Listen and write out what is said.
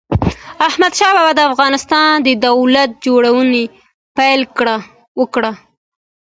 احمد شاه بابا د افغانستان د دولت جوړونې پيل وکړ.